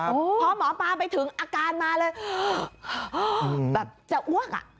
พอหมอปลาไปถึงอาการมาเลยแบบจะอ้วกอ่ะ